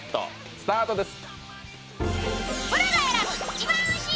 スタートです。